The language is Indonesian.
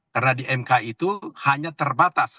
karena di mk itu hanya terbatas